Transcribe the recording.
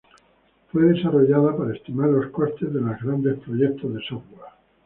Fue desarrollada para estimar los costes de los grandes proyectos de software.